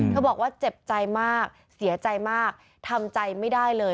บอกว่าเจ็บใจมากเสียใจมากทำใจไม่ได้เลย